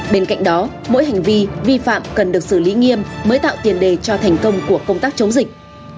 bên cạnh đó mỗi hành vi vi phạm cần được xử lý nghiêm mới tạo tiền đề cho thành công của công tác chống dịch